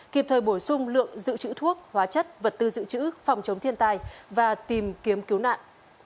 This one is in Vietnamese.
kịp thời bổ sung lượng dự trữ thuốc hóa chất vật tư dự trữ phòng chống thiên tai và tìm kiếm cứu nạn